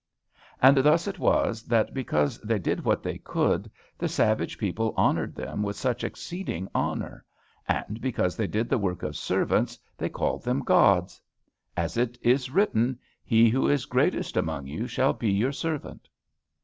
And thus it was, that, because they did what they could, the savage people honored them with such exceeding honor, and because they did the work of servants they called them gods. As it is written: "He who is greatest among you shall be your servant."